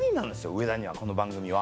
上田にはこの番組は。